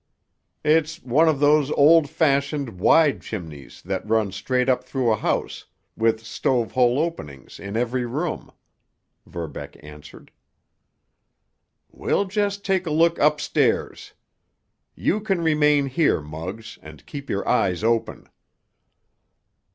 "It is one of those old fashioned, wide chimneys that run straight up through a house, with stove hole openings, in every room," Verbeck answered. "We'll just take a look upstairs. You can remain here, Muggs, and keep your eyes open."